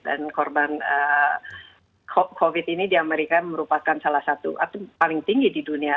korban covid ini di amerika merupakan salah satu atau paling tinggi di dunia